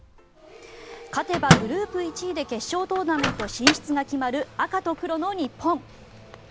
勝てばグループ１位で決勝トーナメント進出が決まる赤と黒の日本。